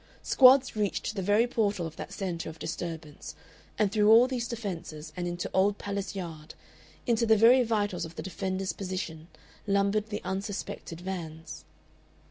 Squads reached to the very portal of that centre of disturbance. And through all these defences and into Old Palace Yard, into the very vitals of the defenders' position, lumbered the unsuspected vans.